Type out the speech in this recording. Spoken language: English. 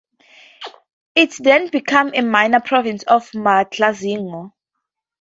It then became a minor province of Matlazingo.